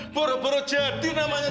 baru baru jadi namanya